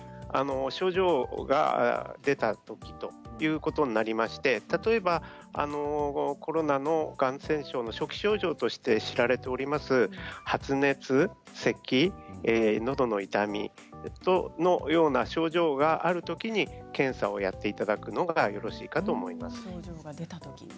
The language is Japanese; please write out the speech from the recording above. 症状が出たときということになりまして例えばコロナの感染症の初期症状として知られている発熱やせき、のどの痛みのような症状があるときに検査をやっていただくのがよろしいかと思います。